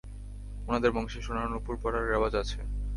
উনাদের বংশে সোনার নূপুর পরার রেওয়াজ আছে।